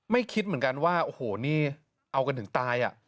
ไม่คิดเหมือนกันว่าเอากันถึงตาย